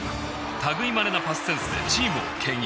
類いまれなパスセンスでチームを牽引。